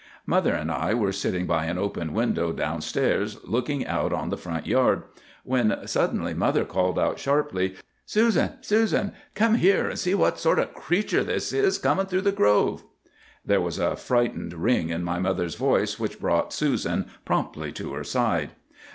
Mother and I were sitting by an open window, down stairs, looking out on the front yard, when suddenly mother called out sharply,— "'Susan, Susan! Come here and see what sort of a creature this is coming through the grove!' "There was a frightened ring in my mother's voice which brought Susan promptly to her side.